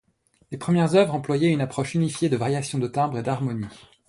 Les premières œuvres employaient une approche unifiée de variations de timbres et d'harmonies.